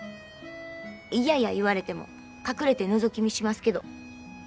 嫌や言われても隠れてのぞき見しますけど。